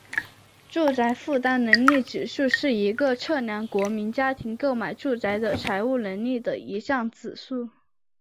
住宅负担能力指数是一个测量国民家庭购买住宅的财务能力的一项指数。